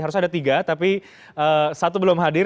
harusnya ada tiga tapi satu belum hadir